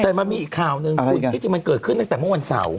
แต่มันมีอีกข่าวหนึ่งคุณที่จริงมันเกิดขึ้นตั้งแต่เมื่อวันเสาร์